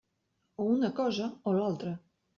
O una cosa o l'altra.